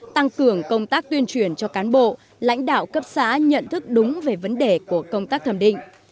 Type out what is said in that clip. tăng cường công tác tuyên truyền cho cán bộ lãnh đạo cấp xã nhận thức đúng về vấn đề của công tác thẩm định